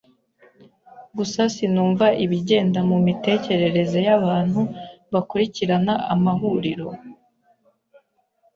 Gusa sinumva ibigenda mumitekerereze yabantu bakurikirana amahuriro. (fcbond)